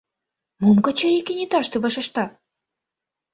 Мом Качырий кенеташте вашешта?